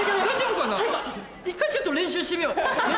１回ちょっと練習してみよう。